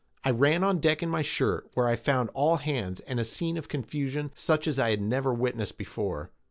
I ran on deck in my shirt, where I found all hands, and a scene of confusion such as I never had witnessed before.